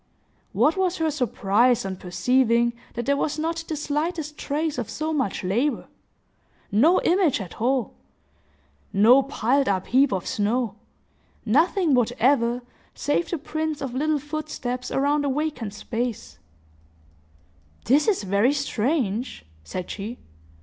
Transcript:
What was her surprise, on perceiving that there was not the slightest trace of so much labor!—no image at all!—no piled up heap of snow!—nothing whatever, save the prints of little footsteps around a vacant space! "This is very strange!" said she.